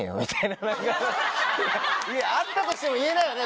あったとしても言えないよね